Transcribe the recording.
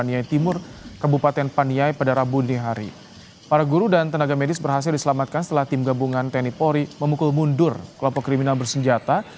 tni polri mengevakuasi peluhan guru dan tenaga medis dari sebuah sekolah yang dibakar kelompok kriminal bersenggata